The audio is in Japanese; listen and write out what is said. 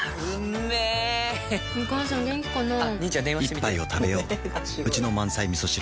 一杯をたべよううちの満菜みそ汁